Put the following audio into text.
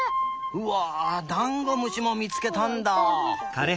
うわダンゴムシもみつけたんだ。